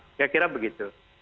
saya kira begitu